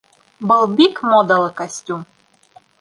Был бик модалы костюм